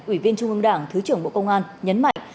ủy viên trung ương đảng thứ trưởng bộ công an nhấn mạnh